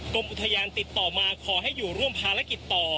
กรมอุทยานติดต่อมาขอให้อยู่ร่วมภารกิจต่อ